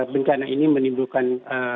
bencana ini menimbulkan